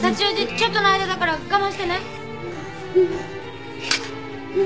ちょっとの間だから我慢してね。